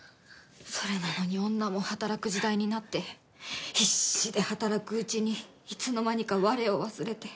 それなのに女も働く時代になって必死で働くうちにいつの間にか我を忘れて。